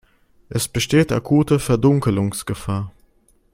Es besteht akute Verdunkelungsgefahr.